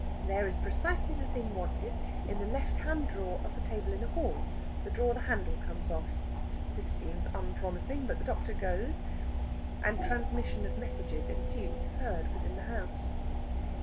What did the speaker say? There is precisely the thing wanted in the left hand drawer of the table in the hall the drawer the handle comes off. This seems unpromising, but the doctor goes, and transmission of messages ensues, heard within the house.